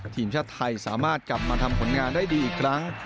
ทีมชาติไทยสามารถกลับมาทำผลงานได้ดีอีกครั้ง